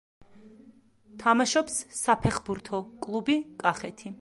თამაშობს საფეხბურთო კლუბი კახეთი.